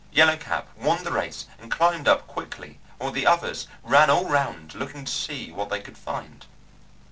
Yellow Cap won the race and climbed up quickly, while the others ran all round looking to see what they could find.